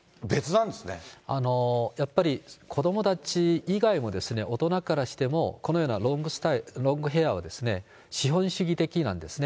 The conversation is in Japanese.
やっぱり子どもたち以外も、大人からしても、このようなロングヘアは資本主義的なんですね。